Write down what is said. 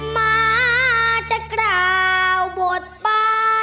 มาจะกล่าวบทไป